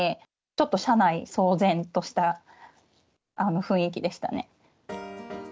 ちょっと社内、騒然とした雰囲気でしたね。